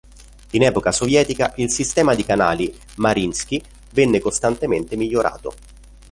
In epoca sovietica il sistema di canali Mariinskij venne costantemente migliorato.